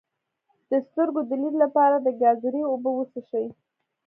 د سترګو د لید لپاره د ګازرې اوبه وڅښئ